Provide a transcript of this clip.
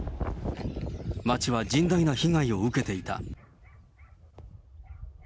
街は甚大な被害を受けていた。